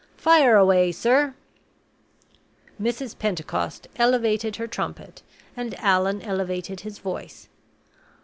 "Fire away, sir!" Mrs. Pentecost elevated her trumpet, and Allan elevated his voice.